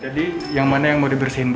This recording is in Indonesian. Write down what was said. jadi yang mana yang mau dibersihin bu